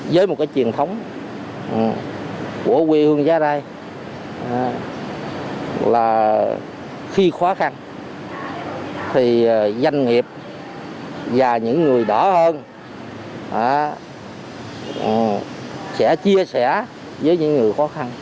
với một cái truyền thống của quê hương gia đây là khi khó khăn thì doanh nghiệp và những người đó hơn sẽ chia sẻ với những người khó khăn